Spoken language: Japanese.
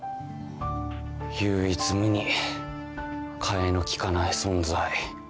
唯一無二かえの利かない存在。